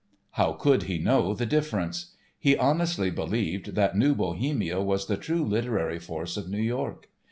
How could he know the difference? He honestly believed that New Bohemia was the true literary force of New York.